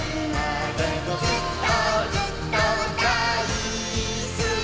「ずっとずっとだいすき」